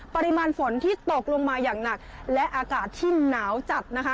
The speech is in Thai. ปริมาณฝนที่ตกลงมาอย่างหนักและอากาศที่หนาวจัดนะคะ